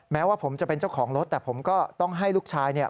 แม้ว่าผมจะเป็นเจ้าของรถแต่ผมก็ต้องให้ลูกชายเนี่ย